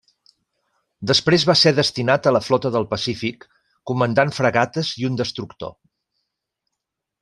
Després va ser destinat a la Flota del Pacífic, comandant fragates i un destructor.